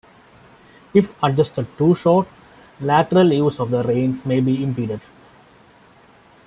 If adjusted too short, lateral use of the reins may be impeded.